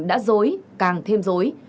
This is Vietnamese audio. đã dối càng thêm dối